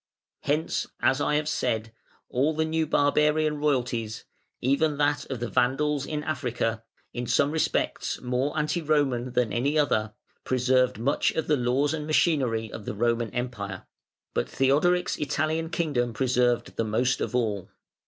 Hence, as I have said, all the new barbarian royalties, even that of the Vandals in Africa (in some respects more anti Roman than any other), preserved much of the laws and machinery of the Roman Empire; but Theodoric's Italian kingdom preserved the most of all.